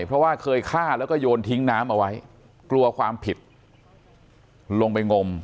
เพราะว่าเคยฆ่าแล้วก็โยนทิ้งน้ำเอาไว้กลัวความผิดลงไปงม